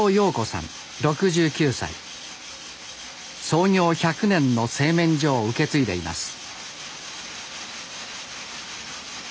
創業１００年の製麺所を受け継いでいます。